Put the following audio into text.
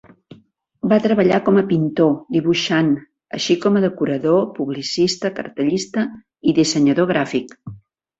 Va treballar com a pintor, dibuixant, així com a decorador, publicista, cartellista i dissenyador gràfic.